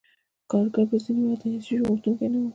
کارګر به ځینې وخت د هېڅ شي غوښتونکی نه وو